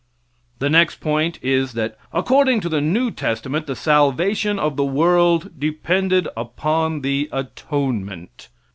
The next point is that, according to the new testament, the salvation of the world depended upon the atonement.